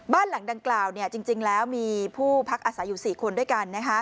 บ้านหลังดังกล่าวจริงแล้วมีผู้พักอาศัยอยู่๔คนด้วยกัน